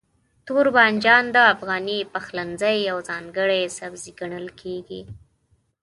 توربانجان د افغاني پخلنځي یو ځانګړی سبزی ګڼل کېږي.